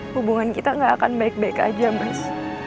hubungan kita gak akan baik baik aja mas